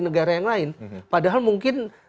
negara yang lain padahal mungkin